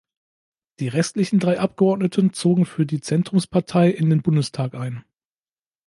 Die restlichen drei Abgeordneten zogen für die Zentrumspartei in den Bundestag ein.